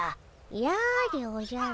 やでおじゃる。